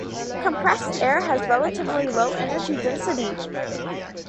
Compressed air has relatively low energy density.